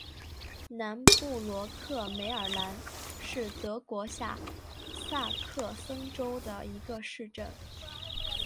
南布罗克梅尔兰是德国下萨克森州的一个市镇。